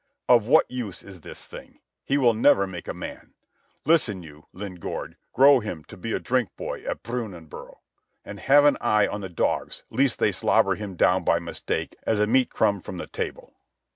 Of what use is this thing? He will never make a man. Listen you, Lingaard, grow him to be a drink boy at Brunanbuhr. And have an eye on the dogs lest they slobber him down by mistake as a meat crumb from the table."